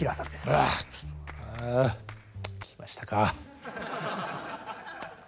あぁ来ましたね。